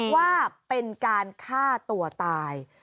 ว่าเป็นการฆ่าตัวตาย